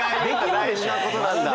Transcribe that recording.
大事なことなんだ。